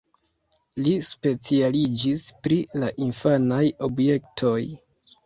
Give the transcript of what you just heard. Li specialiĝis pri la infanaj objektoj.